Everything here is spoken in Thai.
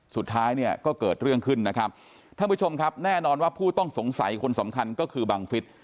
สุดท้ายเนี่ยก็เกิดเรื่องขึ้นนะครับท่านผู้ชมครับแน่นอนว่าผู้ต้องสงสัยคนสำคัญก็คือบังฟิศ